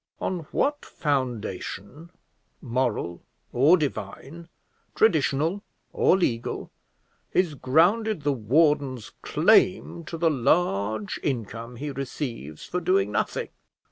On what foundation, moral or divine, traditional or legal, is grounded the warden's claim to the large income he receives for doing nothing?